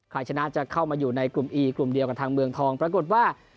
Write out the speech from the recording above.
ใครชนะจะเข้ามาอยู่ในกลุ่มอีกลุ่มเดียวกับทางเมืองทองปรากฏว่า